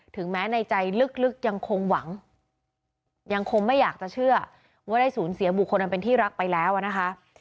แม้ในใจลึกยังคงหวังยังคงไม่อยากจะเชื่อว่าได้สูญเสียบุคคลอันเป็นที่รักไปแล้วนะคะ